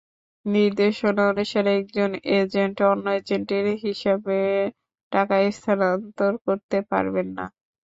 নির্দেশনা অনুসারে একজন এজেন্ট অন্য এজেন্টের হিসাবে টাকা স্থানান্তর করতে পারবেন না।